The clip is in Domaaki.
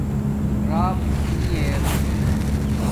َرَاپ نی ار